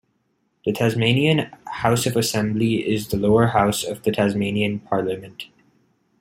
The Tasmanian House of Assembly is the lower house of the Tasmanian Parliament.